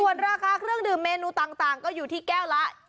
ส่วนราคาเครื่องดื่มเมนูต่างก็อยู่ที่แก้วละ